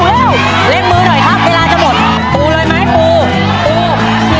เร็วเร่งมือหน่อยครับเวลาจะหมดปูเลยไหมปูปู